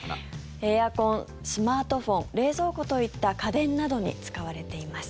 エアコン、スマートフォン冷蔵庫といった家電などに使われています。